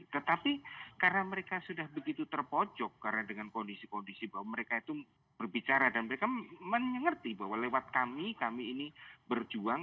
tetapi karena mereka sudah begitu terpojok karena dengan kondisi kondisi bahwa mereka itu berbicara dan mereka menyengerti bahwa lewat kami kami ini berjuang